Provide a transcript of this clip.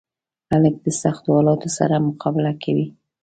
هلک د سختو حالاتو سره مقابله کوي.